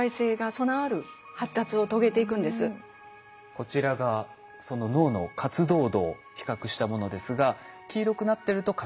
こちらがその脳の活動度を比較したものですが黄色くなってると活動しているということですよね。